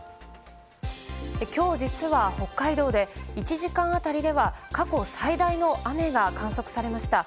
今日、実は北海道で１時間当たりでは過去最大の雨が観測されました。